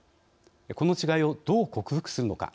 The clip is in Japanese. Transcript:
この違いをどう克服するのか。